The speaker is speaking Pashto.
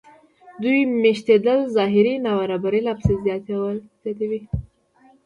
د دوی مېشتېدل ظاهري نابرابري لا پسې زیاتوي